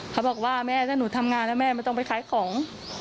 เขาบอกว่าแม่ถ้าหนูทำงานแล้วแม่ไม่ต้องไปขายของ